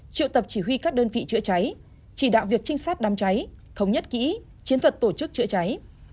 triệu tập chỉ huy các đơn vị chữa cháy chỉ đạo việc trinh sát đám cháy thống nhất kỹ chiến thuật tổ chức chữa cháy